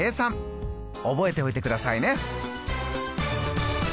覚えておいてくださいね！